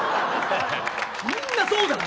みんなそうだから。